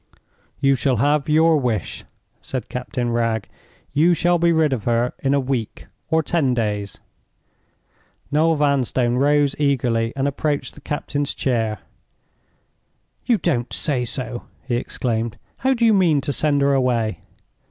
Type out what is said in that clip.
"You shall have your wish," said Captain Wragge. "You shall be rid of her in a week or ten days." Noel Vanstone rose eagerly and approached the captain's chair. "You don't say so!" he exclaimed. "How do you mean to send her away?"